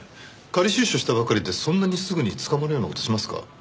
仮出所したばかりでそんなにすぐに捕まるような事しますか？